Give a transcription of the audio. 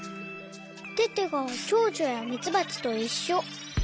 テテがチョウチョやミツバチといっしょ。